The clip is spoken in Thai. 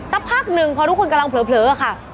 สักพักหนึ่งพอทุกคนกำลังเผลอค่ะ